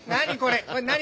何？